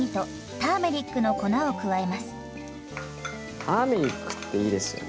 ターメリックっていいですよね。